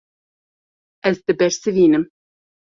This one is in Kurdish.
Ez dibersivînim.